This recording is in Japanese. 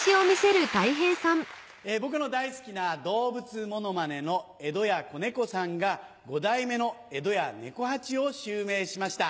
僕の大好きな動物モノマネの江戸家小猫さんが五代目の江戸家猫八を襲名しました。